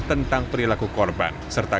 tentang perilaku korban serta